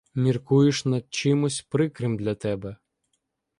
Міркуєш над чимось прикрим для тебе.